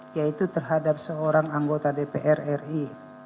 yaitu terhadap seorang anggota dpr ri